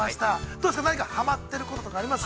どうですか、何かはまってることとかあります？